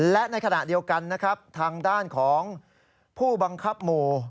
และในขณะเดียวกันนะครับทางด้านของผู้บังคับหมู่